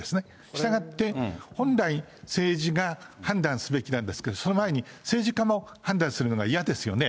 したがって、本来、政治が判断すべきなんですけど、その前に政治家も判断するのが嫌ですよね。